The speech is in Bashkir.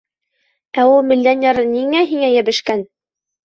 Ә ул миллионер ниңә һиңә йәбешкән?